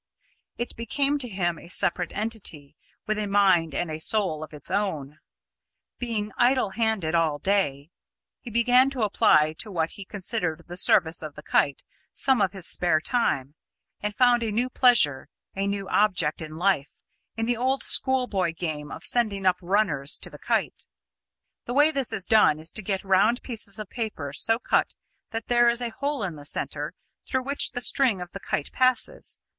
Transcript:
It became to him a separate entity, with a mind and a soul of its own. Being idle handed all day, he began to apply to what he considered the service of the kite some of his spare time, and found a new pleasure a new object in life in the old schoolboy game of sending up "runners" to the kite. The way this is done is to get round pieces of paper so cut that there is a hole in the centre, through which the string of the kite passes.